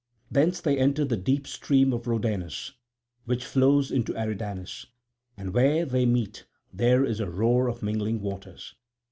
Thence they entered the deep stream of Rhodanus which flows into Eridanus; and where they meet there is a roar of mingling waters.